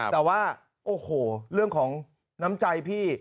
แต่ว่าโอ้โหเรื่องของน้ำใจพี่